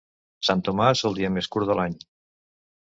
Sant Tomàs, el dia més curt de l'any.